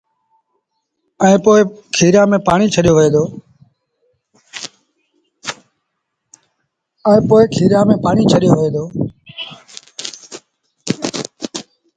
ائيٚݩ پو کيريآݩ ميݩ پآڻيٚ ڇڏيو وهي دو